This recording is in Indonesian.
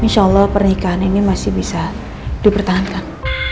insya allah pernikahan ini masih bisa dipertahankan